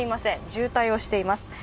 渋滞しています。